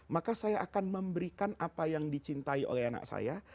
maka saya akan memberikan apa yang dicintai oleh anak saya